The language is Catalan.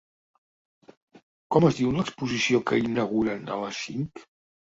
Com es diu l'exposició que inauguren a les cinc?